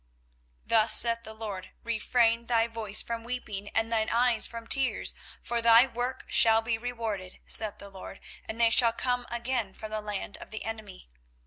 24:031:016 Thus saith the LORD; Refrain thy voice from weeping, and thine eyes from tears: for thy work shall be rewarded, saith the LORD; and they shall come again from the land of the enemy.